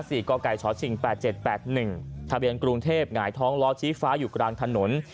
กไก่ชชิงแปดเจ็ดแปดหนึ่งทะเบียนกรุงเทพหงายท้องล้อชี้ฟ้าอยู่กลางถนน